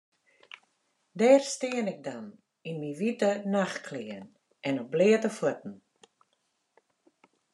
Dêr stie ik dan yn myn wite nachtklean en op bleate fuotten.